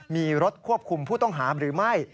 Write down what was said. มีรถควบคุมผู้ต้องหาหรือไม่